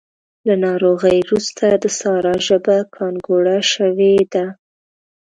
له ناروغۍ روسته د سارا ژبه ګانګوړه شوې ده.